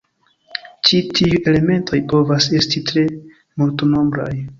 Ĉi tiuj elementoj povas esti tre multnombraj.